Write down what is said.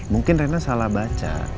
mungkin rena salah baca